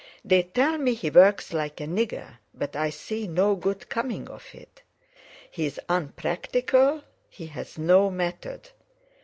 They tell me he works like a nigger, but I see no good coming of it. He's unpractical, he has no method.